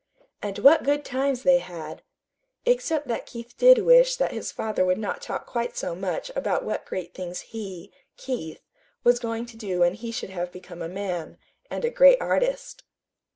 And what good times they had! except that Keith did wish that his father would not talk quite so much about what great things he, Keith, was going to do when he should have become a man and a great artist.